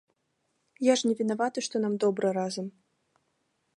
Я ж не вінаваты, што нам добра разам.